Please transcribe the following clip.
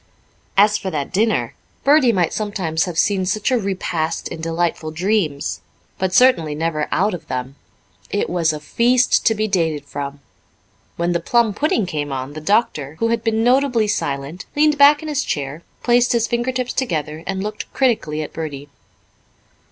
As for that dinner Bertie might sometimes have seen such a repast in delightful dreams, but certainly never out of them. It was a feast to be dated from. When the plum pudding came on, the doctor, who had been notably silent, leaned back in his chair, placed his finger tips together, and looked critically at Bertie.